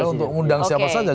untuk mengundang siapa saja